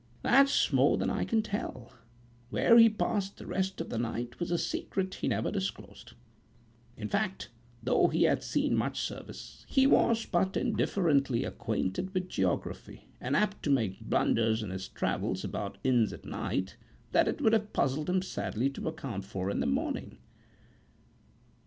"That's more than I can tell. Where he passed the rest of the night was a secret he never disclosed. In fact, though he had seen much service, he was but indifferently acquainted with geography, and apt to make blunders in his travels about inns at night, that it would have puzzled him sadly to account for in the morning.""